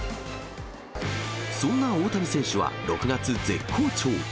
そんな大谷選手は６月絶好調。